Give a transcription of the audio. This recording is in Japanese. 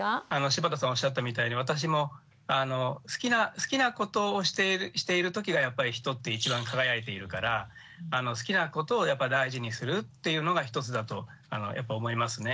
柴田さんおっしゃったみたいに私も好きなことをしている時がやっぱり人って一番輝いているから好きなことを大事にするっていうのが一つだとやっぱ思いますね。